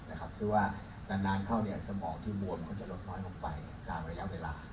คือว่านานเข้าสมองที่บวมก็จะลดน้อยลงไปตามระยะเวลา